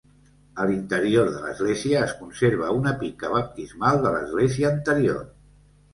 A l'interior de l'església es conserva una pica baptismal de l'església anterior.